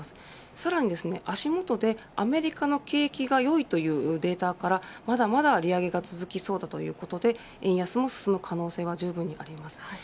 さらに足元で、アメリカの景気が良いというデータからまだまだ利上げが続きそうだということで円安も進む可能性がじゅうぶんにあります。